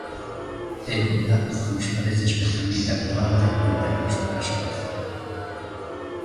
É un dato que nos parece especialmente relevante en termos de persoal.